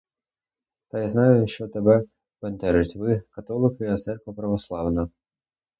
Та я знаю, що тебе бентежить: ви — католики, а церква православна.